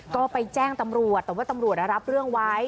ก็ไปแจ้งตำรวจแต่ว่าตำรวจรับเรื่องไว้